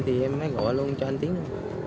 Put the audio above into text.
thì em mới gọi luôn cho anh tiến